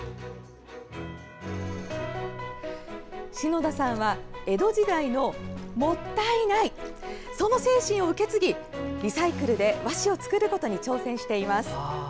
篠田さんは江戸時代の「もったいない」その精神を受け継ぎリサイクルで和紙を作ることに挑戦しています。